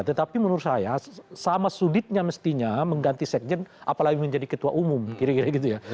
tetapi menurut saya sama sulitnya mestinya mengganti sekjen apalagi menjadi ketua umum kira kira gitu ya